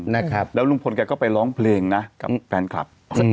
นะครับแล้วลุงพลแกก็ไปร้องเพลงนะกับแฟนคลับ